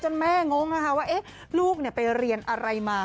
จนแม่งงว่าลูกไปเรียนอะไรมา